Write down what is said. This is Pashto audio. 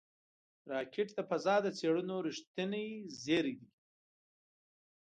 راکټ د فضا د څېړنو رېښتینی زېری دی